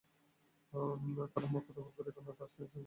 তারা মক্কা দখল করে এখন তার শৃঙ্খলা পুনঃপ্রতিষ্ঠায় ব্যস্ত।